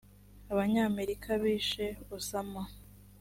abanyamerika bishe osama